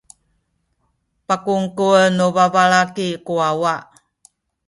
pakungkuen nu babalaki ku wawa.